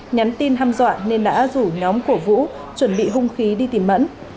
nhắn tin ham dọa nên đã rủ nhóm của vũ chuẩn bị hung khí đi tìm mẫn